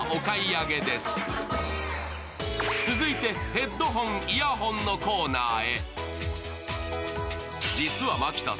続いてヘッドホン、イヤホンのコーナーへ。